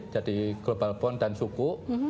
jadi global bond dan suku